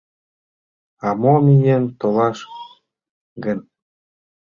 — А мо, миен толаш гын?